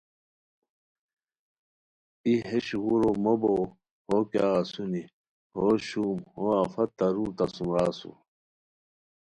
ای ہے شوغورو موبو ہو کیاغ اسونی، ہو شوم ہو افت تارور تہ سوم را اسور